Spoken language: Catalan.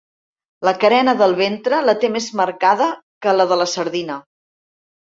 La carena del ventre la té més marcada que la de la sardina.